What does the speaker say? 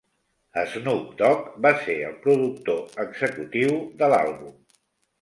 Snoop Dogg va ser el productor executiu de l'àlbum.